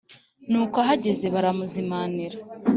Nuko ahageze baramuzimanira